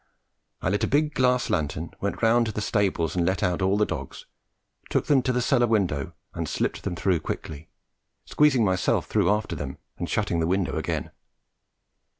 I lit a big glass lantern, went round to the stables and let out all the dogs, took them to the cellar window and slipt them through quickly, squeezing myself through after them and shutting the window again.